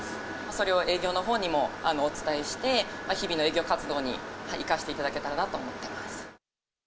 それを営業のほうにもお伝えして、日々の営業活動に生かしていただけたらなと思っています。